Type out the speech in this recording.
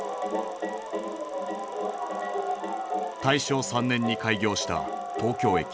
大正３年に開業した東京駅。